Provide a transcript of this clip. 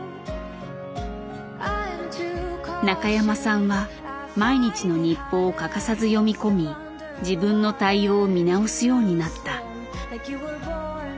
中山さんは毎日の日報を欠かさず読み込み自分の対応を見直すようになった。